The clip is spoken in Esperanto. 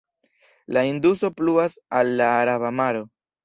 La Induso pluas al la Araba Maro.